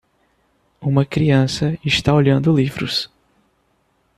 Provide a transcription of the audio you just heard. Uma criança está olhando livros.